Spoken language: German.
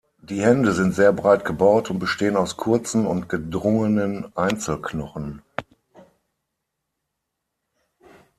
Die Hände sind sehr breit gebaut und bestehen aus kurzen und gedrungenen Einzelknochen.